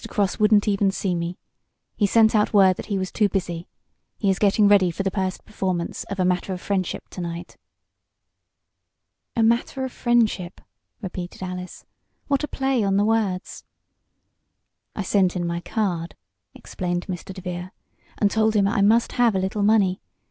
Cross wouldn't even see me. He sent out word that he was too busy. He is getting ready for the first performance of 'A Matter of Friendship,' to night." "A matter of friendship," repeated Alice. "What a play on the words!" "I sent in my card," explained Mr. DeVere, "and told him I must have a little money.